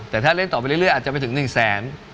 แต่ถ้าเล่นต่อไปเรื่อยอาจจะไปถึง๑แสน